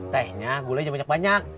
tehnya gulanya banyak banyak